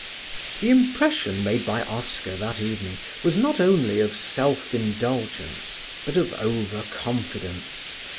The impression made by Oscar that evening was not only of self indulgence but of over confidence.